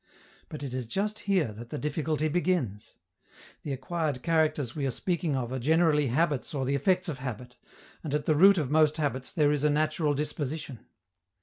But it is just here that the difficulty begins. The acquired characters we are speaking of are generally habits or the effects of habit, and at the root of most habits there is a natural disposition.